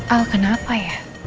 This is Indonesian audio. al kenapa ya